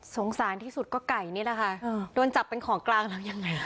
สงสารที่สุดก็ไก่นี่แหละค่ะโดนจับเป็นของกลางแล้วยังไง